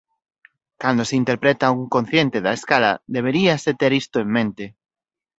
Cando se interpreta un cociente da escala deberíase ter isto en mente.